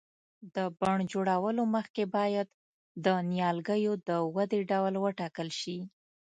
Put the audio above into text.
د بڼ جوړولو مخکې باید د نیالګیو د ودې ډول وټاکل شي.